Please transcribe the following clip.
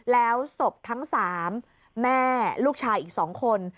แล้วศพทั้ง๓แม่ลูกชายอีก๒คน